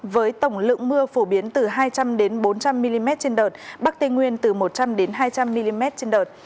với tổng lượng mưa phổ biến từ hai trăm linh bốn trăm linh mm trên đợt bắc tây nguyên từ một trăm linh hai trăm linh mm trên đợt